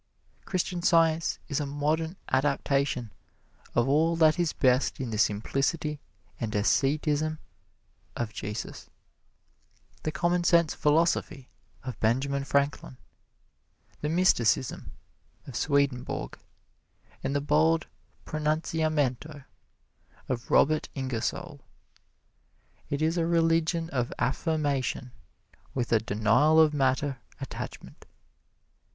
Christian Science is a modern adaptation of all that is best in the simplicity and asceticism of Jesus, the commonsense philosophy of Benjamin Franklin, the mysticism of Swedenborg, and the bold pronunciamento of Robert Ingersoll. It is a religion of affirmation with a denial of matter attachment.